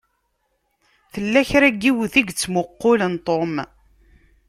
Tella kra n yiwet i yettmuqqulen Tom.